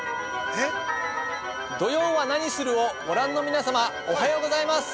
◆「土曜はナニする！？」をご覧の皆様、おはようございます。